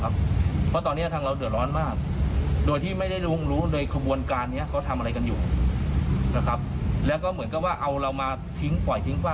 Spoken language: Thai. อันนี้ผมว่ามันน่าจะเป็นภัยสังคมมาก